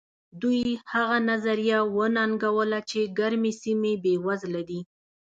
دوی هغه نظریه وننګوله چې ګرمې سیمې بېوزله دي.